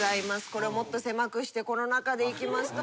これもっとせまくしてこの中でいきますと。